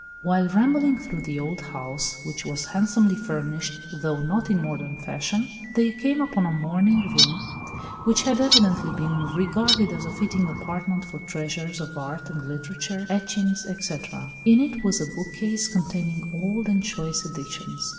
While rambling through the old house, which was handsomely furnished, though not in modern fashion, they came upon a morning room, which had evidently been regarded as a fitting apartment for treasures of art and literature, etchings, etc. In it was a bookcase, containing old and choice editions.